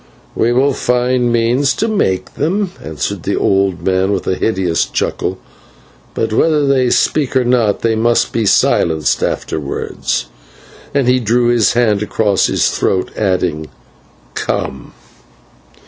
"We will find means to make them," answered the old man with a hideous chuckle; "but whether they speak or not, they must be silenced afterwards " and he drew his hand across his throat, adding, "Come."